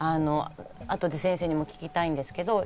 後で先生にも聞きたいんですけど。